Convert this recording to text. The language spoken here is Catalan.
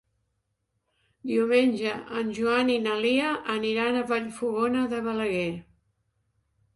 Diumenge en Joan i na Lia aniran a Vallfogona de Balaguer.